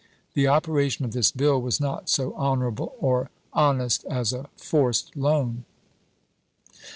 The operation of this bill was not so honorable or honest as a forced loan.